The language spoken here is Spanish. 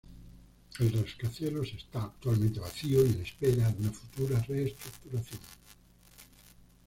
El rascacielos está actualmente vacío y en espera de una futura reestructuración.